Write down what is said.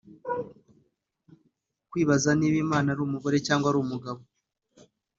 kwibaza niba Imana ari umugore cyangwa umugabo